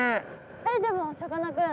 えでもさかなクン。